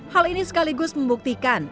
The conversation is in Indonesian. hal ini sekaligus membuktikan